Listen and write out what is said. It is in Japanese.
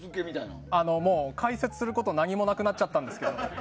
解説すること、何もなくなっちゃったんですけど。